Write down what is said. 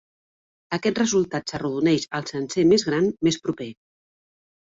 Aquest resultat s'arrodoneix al sencer més gran més proper.